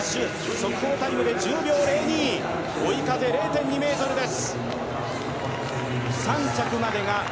速報タイムで１０秒０２、追い風０．２メートルです。